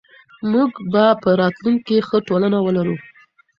موږ به په راتلونکي کې ښه ټولنه ولرو.